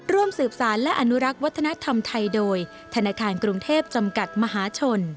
ร่วมสืบสารและอนุรักษ์วัฒนธรรมไทยโดยธนาคารกรุงเทพจำกัดมหาชน